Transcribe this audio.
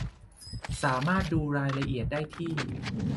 สามารถดูรายละเอียดได้ที่